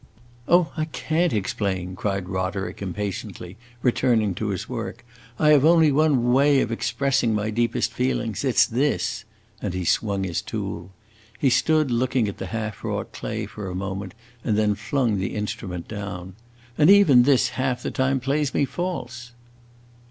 "Oh, I can't explain!" cried Roderick impatiently, returning to his work. "I have only one way of expressing my deepest feelings it 's this!" And he swung his tool. He stood looking at the half wrought clay for a moment, and then flung the instrument down. "And even this half the time plays me false!"